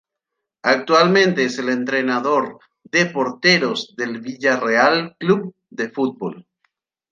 Actualmente es el entrenador de porteros del Villarreal Club de Fútbol.